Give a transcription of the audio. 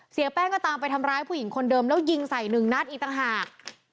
เสียแป้งก็ตามไปทำร้ายผู้หญิงคนเดิมแล้วยิงใส่หนึ่งนัดอีกต่างหาก